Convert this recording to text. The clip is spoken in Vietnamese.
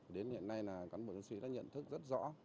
đến hiện nay là cán bộ chiến sĩ đã nhận thức rất rõ